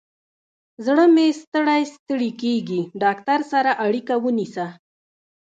زړه مې ستړی ستړي کیږي، ډاکتر سره اړیکه ونیسه